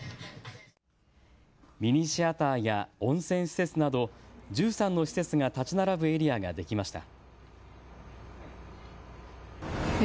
ミニシアターや温泉施設など１３の施設が建ち並ぶエリアができました。